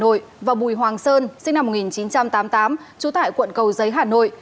hà nội và bùi hoàng sơn sinh năm một nghìn chín trăm tám mươi tám trú tại quận cầu giấy hà nội